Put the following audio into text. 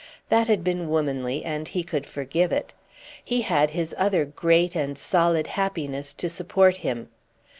That had been womanly and he could forgive it. He had his other great and solid happiness to support him.